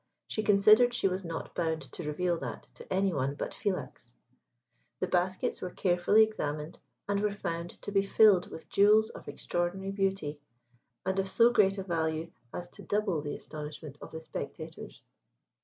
She considered she was not bound to reveal that to any one but Philax. The baskets were carefully examined, and were found to be filled with jewels of extraordinary beauty, and of so great a value as to double the astonishment of the spectators.